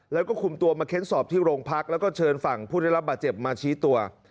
แล้วก็คุมตัวมาเค้นสอบที่โรงพักแล้วก็เชิญฝั่งผู้ได้รับบาดเจ็บมาชี้ตัว